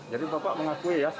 jadi bapak mengakui ya